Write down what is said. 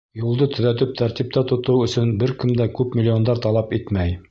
Юлды төҙәтеп тәртиптә тотоу өсөн бер кем дә күп миллиондар талап итмәй.